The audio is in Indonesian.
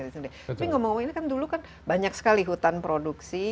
tapi ngomong ngomong ini kan dulu kan banyak sekali hutan produksi